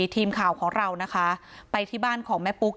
ทีมข่าวของเรานะคะไปที่บ้านของแม่ปุ๊ก